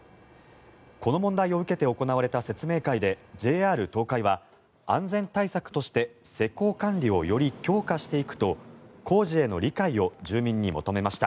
この問題を受けて行われた説明会で、ＪＲ東海は安全対策として施工管理をより強化していくと工事への理解を住民に求めました。